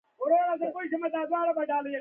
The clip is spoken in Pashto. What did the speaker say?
📵 دلته په مبایل کې خبري منع دي